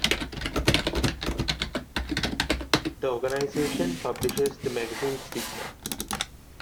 The organization publishes the magazine "Stigma".